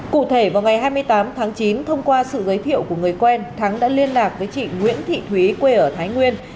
cụ thể vào ngày hai mươi tám tháng chín thông qua sự giới thiệu của người quen thắng đã liên lạc với chị nguyễn thị thúy quê ở thái nguyên